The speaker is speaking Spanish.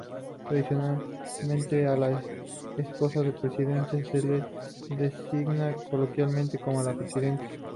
Tradicionalmente a la esposa del presidente se la designaba coloquialmente como "la presidenta".